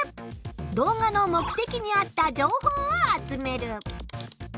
動画の目的に合った情報を集める。